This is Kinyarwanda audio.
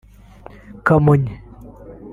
Kamonyi